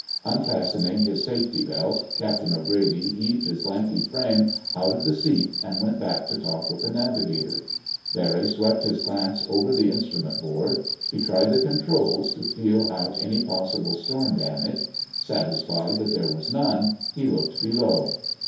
Unfastening his safety belt, Captain O'Grady heaved his lanky frame out of the seat and went back to talk with the navigator. Barry swept his glance over the instrument board. He tried the controls, to feel out any possible storm damage. Satisfied that there was none, he looked below.